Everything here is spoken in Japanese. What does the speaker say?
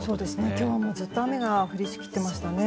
今日もずっと雨が降りしきってましたね。